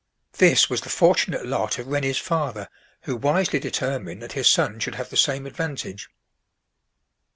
This was the fortunate lot of Rennie's father, who wisely determined that his son should have the same advantage.